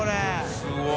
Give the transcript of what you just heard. すごい。